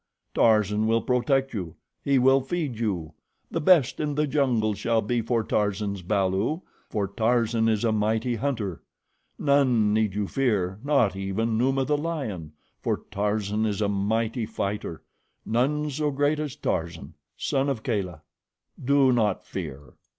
Tarzan will protect you. He will feed you. The best in the jungle shall be for Tarzan's balu, for Tarzan is a mighty hunter. None need you fear, not even Numa, the lion, for Tarzan is a mighty fighter. None so great as Tarzan, son of Kala. Do not fear."